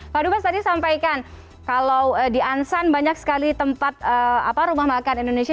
pak dubas tadi sampaikan kalau di ansan banyak sekali tempat rumah makan indonesia